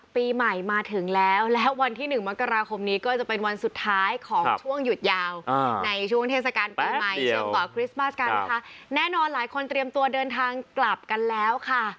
ปีใหม่มาถึงแล้วและวันที่๑มกราคมนี้ก็จะเป็นวันสุดท้ายของช่วงหยุดยาวในช่วงเทศกาลปีใหม่ช่วงก่อนคริสต์มาสกันนะคะแน่นอนหลายคนเตรียมตัวเดินทางกลับกันแล้วค่ะ